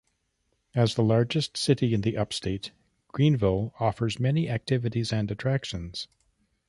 As the largest city in the Upstate, Greenville offers many activities and attractions.